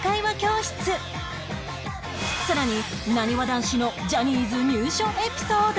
さらになにわ男子のジャニーズ入所エピソード